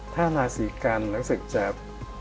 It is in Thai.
ถ้าราศีกรรณ์และศึกแจบ